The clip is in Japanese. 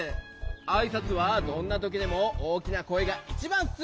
あいさつはどんなときでもおおきなこえがいちばんっす。